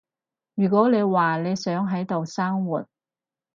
如果你話你想喺度生活